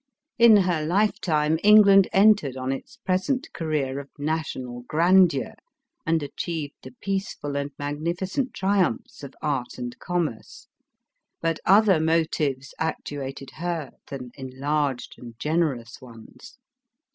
In her life time Eng land entered on its present career of national grandeur, and achieved the peaceful and magnificent triumphs of art and commerce ; but other motives actuated her than enlarged and generous ones.